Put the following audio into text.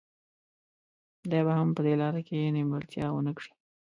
دی به هم په دې لاره کې نیمګړتیا ونه کړي.